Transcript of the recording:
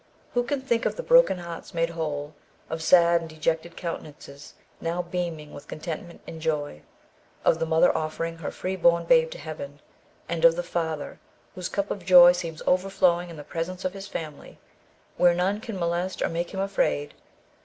Who can think of the broken hearts made whole, of sad and dejected countenances now beaming with contentment and joy, of the mother offering her free born babe to heaven, and of the father whose cup of joy seems overflowing in the presence of his family, where none can molest or make him afraid.